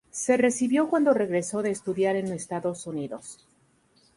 Se recibió cuando regresó de estudiar en Estados Unidos.